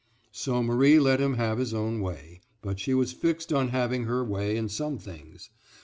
So Marie let him have his own way; but she was fixed on having her way in some things.